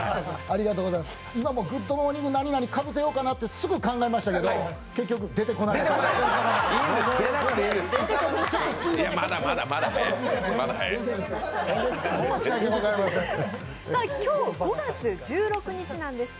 今もグッドモーニング何何、かぶせようかなってすぐ考えましたけど、結局出てこなかったです。